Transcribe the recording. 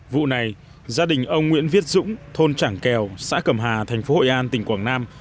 vụ này gia đình ông nguyễn viết dũng thôn trảng kèo xã cẩm hà thành phố hội an tỉnh quảng nam